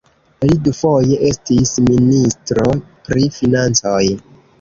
Li dufoje estis ministro pri financoj.